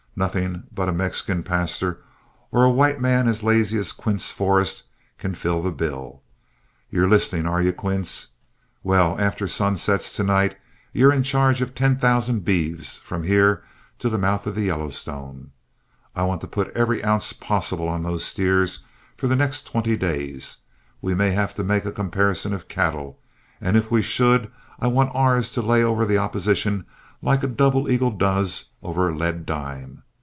Nothing but a Mexican pastor, or a white man as lazy as Quince Forrest can fill the bill. You're listening, are you, Quince? Well, after the sun sets to night, you're in charge of ten thousand beeves from here to the mouth of the Yellowstone. I want to put every ounce possible on those steers for the next twenty days. We may have to make a comparison of cattle, and if we should, I want ours to lay over the opposition like a double eagle does over a lead dime.